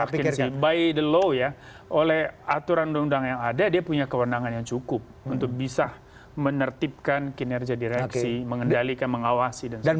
tapi by the law ya oleh aturan undang yang ada dia punya kewenangan yang cukup untuk bisa menertibkan kinerja direksi mengendalikan mengawasi dan sebagainya